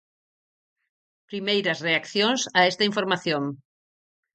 Primeiras reaccións a esta información.